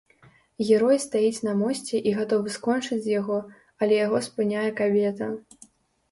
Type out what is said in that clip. Герой стаіць на мосце і гатовы скочыць з яго, але яго спыняе кабета.